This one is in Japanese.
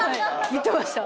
言ってました。